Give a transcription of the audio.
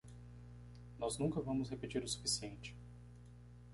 Nós nunca vamos repetir o suficiente.